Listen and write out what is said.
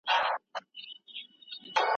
هغه تل نورو ته د مسواک وهلو سپارښتنه کوي.